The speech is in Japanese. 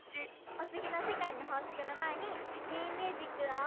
おつぎの世界の法則のまえに「シャキーン！ミュージック」を。